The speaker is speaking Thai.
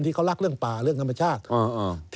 ที่เขารักเรื่องป่าเรื่องธรรมชาติ